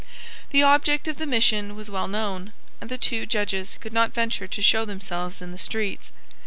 The object of the mission was well known; and the two Judges could not venture to show themselves in the streets.